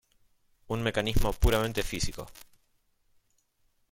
Un mecanismo puramente físico.